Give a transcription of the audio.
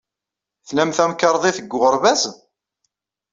Tlam tamkarḍit deg uɣerbaz?